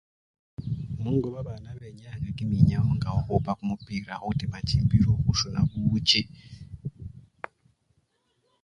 Mungo babana benyayanga kiminyawo nga khukhupa kumupira, khutima chimbilo, khusuna buwuchi.